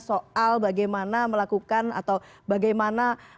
soal bagaimana melakukan atau bagaimana